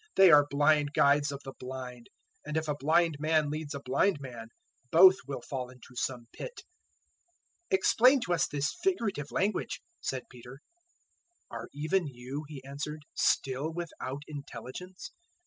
They are blind guides of the blind; and if a blind man leads a blind man, both will fall into some pit." 015:015 "Explain to us this figurative language," said Peter. 015:016 "Are even you," He answered, "still without intellingence?